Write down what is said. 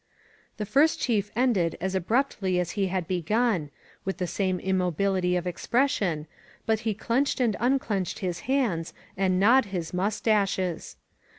'* The First Chief ended as abruptly as he had be gun, with the same immobility of expression, but he clenched and unclenched his hands and gnawed his mustaches.